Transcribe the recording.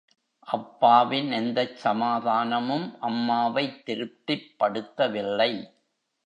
அப்பாவின் எந்தச் சமாதானமும் அம்மாவைத் திருப்திப் படுத்தவில்லை.